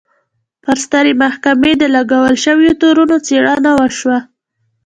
پر سترې محکمې د لګول شویو تورونو څېړنه وشوه.